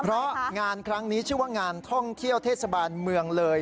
เพราะงานครั้งนี้ชื่อว่างานท่องเที่ยวเทศบาลเมืองเลย